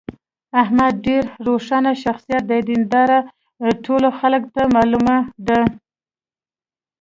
احمد ډېر روښاني شخصیت دی. دینداري ټولو خلکو ته معلومه ده.